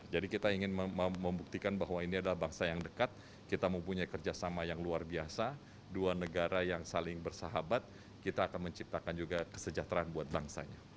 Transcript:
jadi kita ingin membuktikan bahwa ini adalah bangsa yang dekat kita mempunyai kerjasama yang luar biasa dua negara yang saling bersahabat kita akan menciptakan juga kesejahteraan buat bangsanya